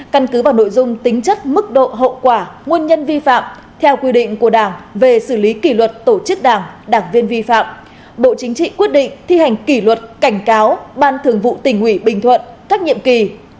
căn cứ vào nội dung tính chất mức độ hậu quả nguồn nhân vi phạm theo quy định của đảng về xử lý kỷ luật tổ chức đảng đảng viên vi phạm bộ chính trị quyết định thi hành kỷ luật cảnh cáo ban thường vụ tỉnh ubnd các nhiệm kỳ hai nghìn một mươi hai nghìn một mươi năm hai nghìn một mươi năm hai nghìn hai mươi